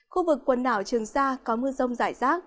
khu vực quần đảo trường sa có mưa rông rải rác